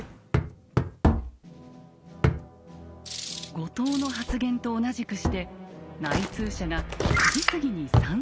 後藤の発言と同じくして内通者が次々に賛成を表明。